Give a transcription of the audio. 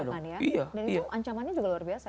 dan itu ancamannya juga luar biasa ya